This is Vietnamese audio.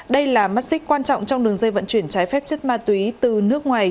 đây là mắt xích quan trọng trong đường dây vận chuyển trái phép chất ma túy từ nước ngoài